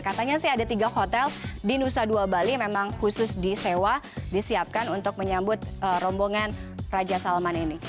katanya sih ada tiga hotel di nusa dua bali yang memang khusus disewa disiapkan untuk menyambut rombongan raja salman ini